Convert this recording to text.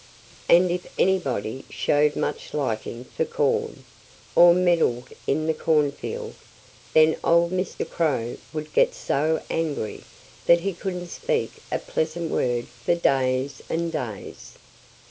And if anybody showed much liking for corn, or meddled in the cornfield, then old Mr. Crow would get so angry that he couldn't speak a pleasant word for days and days.